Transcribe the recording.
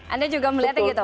anda juga melihatnya gitu